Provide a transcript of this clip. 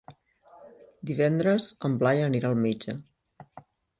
Divendres en Blai anirà al metge.